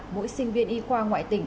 mỗi sinh viên y khoa ngoại tỉnh